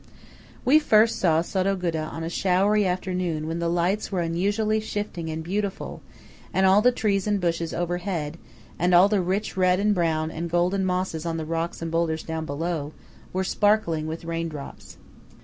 We first saw Sottoguda on a showery afternoon when the lights were unusually shifting and beautiful, and all the trees and bushes overhead, and all the rich red and brown and golden mosses on the rocks and boulders down below, were sparkling with rain drops.